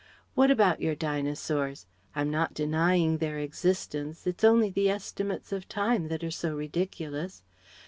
What about your Dinosaurs? I'm not denying their existence; it's only the estimates of time that are so ridiculous.